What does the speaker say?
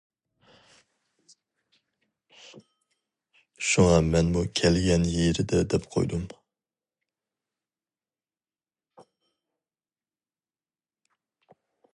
شۇڭا مەنمۇ كەلگەن يېرىدە دەپ قويدۇم.